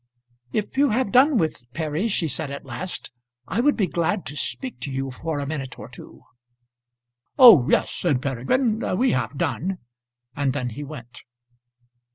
"If you have done with Perry," she said at last, "I would be glad to speak to you for a minute or two." "Oh yes," said Peregrine; "we have done." And then he went.